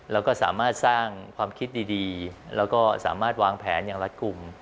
แล้วก็สามารถสร้างความคิดดีแล้วก็สามารถวางแผนอย่างรัฐกลุ่ม